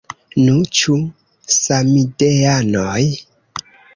Nu, ĉu samideanoj?